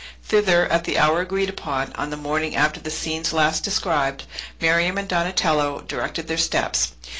Thither, at the hour agreed upon, on the morning after the scenes last described, Miriam and Donatello directed their steps.